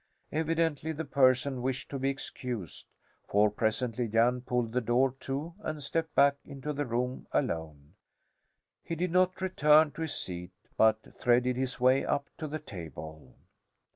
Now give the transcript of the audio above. Evidently the person wished to be excused, for presently Jan pulled the door to and stepped back into the room, alone. He did not return to his seat, but threaded his way up to the table.